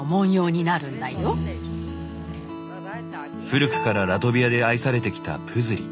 古くからラトビアで愛されてきたプズリ。